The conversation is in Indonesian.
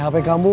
saya dah sampe